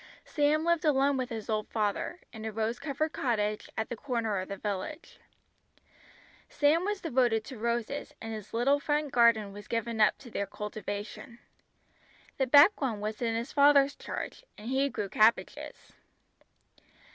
Sam lived alone with his old father, in a rose covered cottage, at the corner of the village. Sam was devoted to roses, and his little front garden was given up to their cultivation. The back one was in his father's charge, and he grew cabbages.